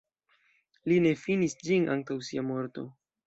Li ne finis ĝin antaŭ sia morto.